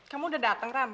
kamu udah dateng ram